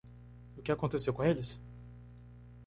O que aconteceu com eles?